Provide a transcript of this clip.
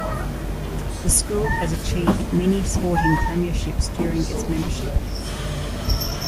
The school has achieved many sporting premierships during its membership.